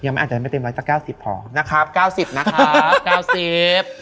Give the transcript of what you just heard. ยังไม่อาจจะเต็มร้อยตั้ง๙๐พอนะครับ๙๐นะครับ๙๐